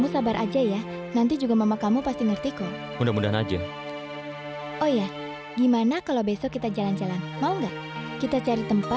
sampai jumpa di video selanjutnya